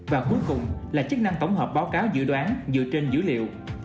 và cuối cùng là chức năng tổng hợp báo cáo dự đoán dựa trên dữ liệu